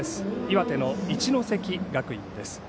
岩手の一関学院です。